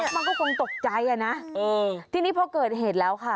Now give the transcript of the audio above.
มันก็คงตกใจอ่ะนะทีนี้พอเกิดเหตุแล้วค่ะ